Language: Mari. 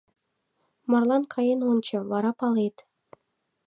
— Марлан каен ончо, вара палет.